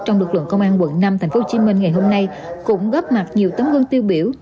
trong lực lượng công an quận năm tp hcm ngày hôm nay cũng góp mặt nhiều tấm gương tiêu biểu